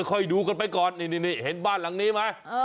ค่อยดูกันไปก่อนนี่เห็นบ้านหลังนี้ไหม